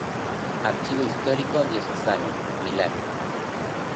Archivo Histórico Diocesano, Milán.